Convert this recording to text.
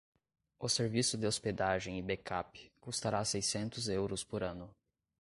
O serviço de hospedagem e backup custará seiscentos euros por ano.